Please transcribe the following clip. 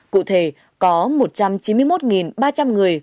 cụ thể có một trăm chín mươi một ba trăm linh người